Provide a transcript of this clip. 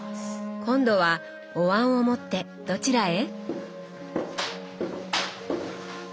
今度はお椀を持ってどちらへ？